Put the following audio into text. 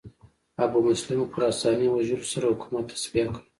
ابومسلم خراساني وژلو سره حکومت تصفیه کړ